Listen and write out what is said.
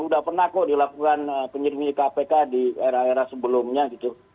sudah pernah kok dilakukan penyelidikan kpk di era era sebelumnya gitu